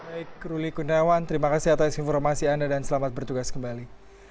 baik ruli kuniawan terima kasih atas informasi anda dan selamat bertugas kembali